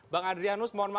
bentar pak sebentar pak